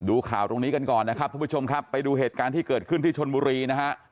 ดูข่าวตรงนี้กันก่อนนะครับทุกผู้ชมครับไปดูเหตุการณ์ที่เกิดขึ้นที่ชนบุรีนะฮะ